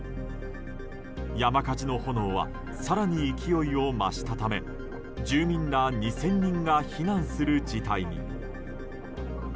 山火事の炎は更に勢いを増したため住民ら２０００人が避難する事態に。